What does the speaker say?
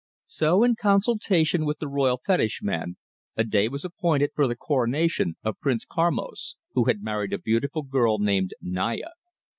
So in consultation with the royal fetish man, a day was appointed for the coronation of Prince Karmos, who had married a beautiful girl named Naya.